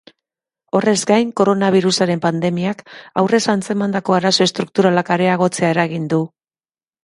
Horrez gain, koronabirusaren pandemiak aurrez antzemandako arazo estrukturalak areagotzea eragin du.